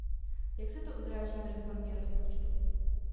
Jak se to odráží v reformě rozpočtu?